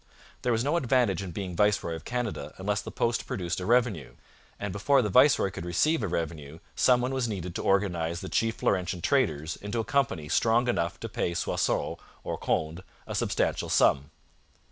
There was no advantage in being viceroy of Canada unless the post produced a revenue, and before the viceroy could receive a revenue some one was needed to organize the chief Laurentian traders into a company strong enough to pay Soissons or Conde a substantial sum.